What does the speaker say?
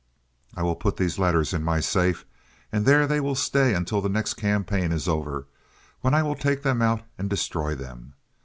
I will put these letters in my safe, and there they will stay until the next campaign is over, when I will take them out and destroy them.